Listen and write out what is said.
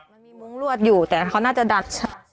มื้อมันมุ้งล่วนอยู่แต่เขาน่าจะดัด